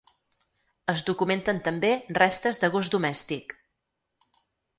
Es documenten també restes de gos domèstic.